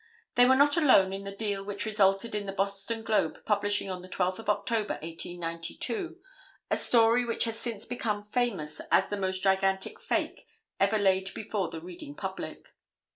They were not alone in the deal which resulted in the Boston Globe publishing on the 12th of October, 1892, a story which has since became famous as the most gigantic "fake" ever laid before the reading public.